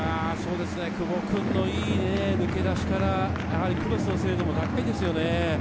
久保君のいい抜け出しから、クロスの精度もやはり高いですね。